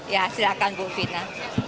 ya silahkan bu vina